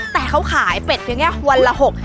แต่เขาขายเป็ดเพียงแค่วันละหก